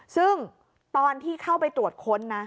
ซึ่งตอนที่เข้าไปตรวจค้นนะ